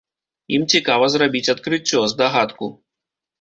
Ім цікава зрабіць адкрыццё, здагадку.